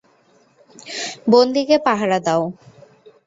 বন্দীকে পাহারা দাও!